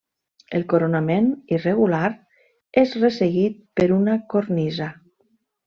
El coronament, irregular, és resseguit per una cornisa.